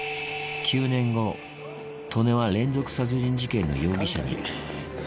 ９年後、利根は連続殺人事件の容疑者に。